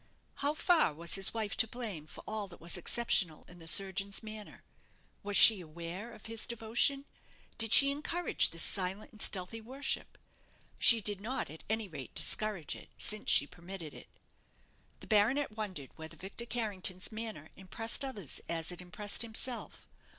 How far was his wife to blame for all that was exceptional in the surgeon's manner? Was she aware of his devotion? Did she encourage this silent and stealthy worship? She did not, at any rate, discourage it, since she permitted it. The baronet wondered whether Victor Carrington's manner impressed others as it impressed himself.